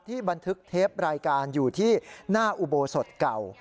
บันทึกเทปรายการอยู่ที่หน้าอุโบสถเก่า